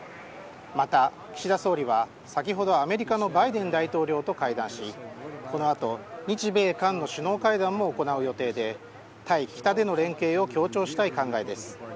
また、岸田総理は先ほどアメリカのバイデン大統領と会談しこの後日米韓の首脳会談も行う予定で対北での連携を強調したい考えです。